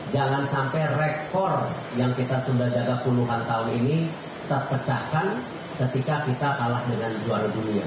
jangan sampai rekor yang kita sudah jaga puluhan tahun ini terpecahkan ketika kita kalah dengan juara dunia